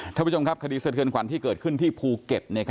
ท่านผู้ชมครับคดีสะเทือนขวัญที่เกิดขึ้นที่ภูเก็ต